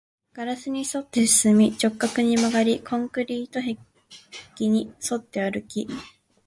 ガラスに沿って進み、直角に曲がり、コンクリート壁に沿って歩き